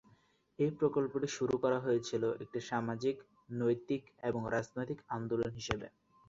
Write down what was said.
কিন্তু এই প্রকল্পটি শুরু করা হয়েছিল একটি সামাজিক, নৈতিক এবং রাজনৈতিক আন্দোলন হিসাবে।